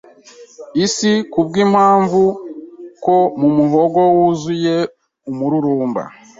Isi kubwimpamvu ko mumuhogo wuzuye umururumba